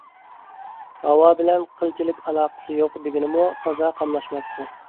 ھاۋا بىلەن قىلچىلىك ئالاقىسى يوق دېگىنىمۇ تازا قاملاشماپتۇ